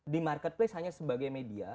di marketplace hanya sebagai media